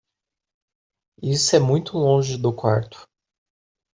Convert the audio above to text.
Isso é muito longe do quarto.